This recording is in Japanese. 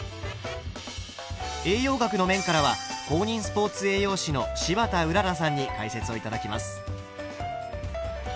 栄養学の面からは公認スポーツ栄養士の柴田麗さんに解説を頂きます。